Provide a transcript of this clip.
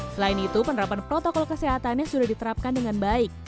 selain itu penerapan protokol kesehatannya sudah diterapkan dengan baik